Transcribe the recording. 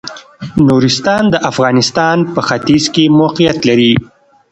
نورستان د افغانستان په ختيځ کې موقيعت لري.